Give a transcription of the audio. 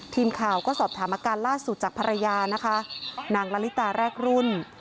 ทีมข่าวก็สอบถามอาการล่าสุดจากภรรยานะคะนางละลิตาแรกรุ่น